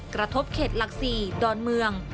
กระทบเขตหลัก๔ดอนเมือง